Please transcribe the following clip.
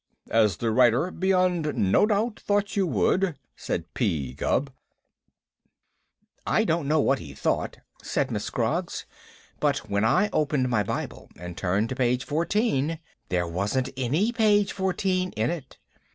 "As the writer beyond no doubt thought you would," said P. Gubb. "I don't know what he thought," said Miss Scroggs, "but when I opened my Bible and turned to page fourteen there wasn't any page fourteen in it.